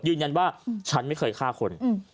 ยืนยันว่าฉันไม่เคยฆ่าคน